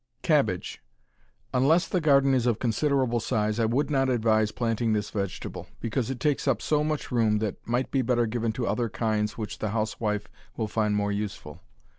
Cabbage Unless the garden is of considerable size I would not advise planting this vegetable, because it takes up so much room that might better be given to other kinds which the housewife will find more useful.